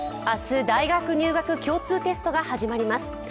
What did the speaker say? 明日、大学入学共通テストが始まります。